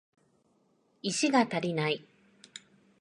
石が足りない